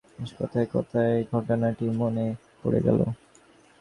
আজ কথায় কথায় ঘটনাটি মনে পড়ে গেল।